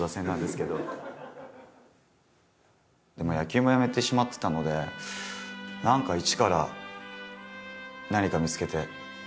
野球もやめてしまってたので何か一から何か見つけて。